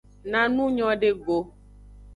Na nu nyode go.